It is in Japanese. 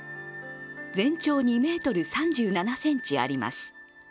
全長２ｍ３７ｃｍあります。